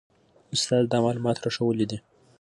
استاد دا معلومات راښوولي دي.